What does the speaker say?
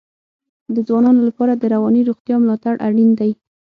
د ځوانانو لپاره د رواني روغتیا ملاتړ اړین دی.